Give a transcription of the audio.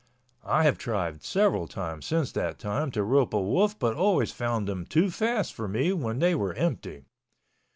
I have tried several times since that time to rope a wolf but always found them too fast for me when they were empty.